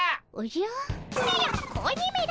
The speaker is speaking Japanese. ややっ子鬼めら！